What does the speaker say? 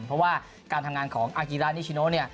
เพราะว่าการทำงานของอากีรานิชิโนเนี่ย